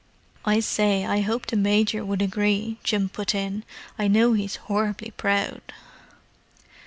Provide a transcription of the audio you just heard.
"I say, I hope the Major would agree," Jim put in. "I know he's horribly proud."